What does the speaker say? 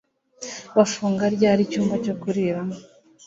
Bafungura ryari icyumba cyo kuriramo